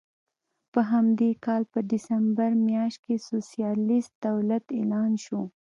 په همدې کال په ډسمبر میاشت کې سوسیالېست دولت اعلان شو.